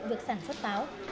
việc sản xuất pháo